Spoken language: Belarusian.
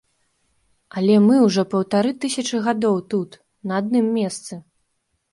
Але мы ўжо паўтары тысячы гадоў тут, на адным месцы.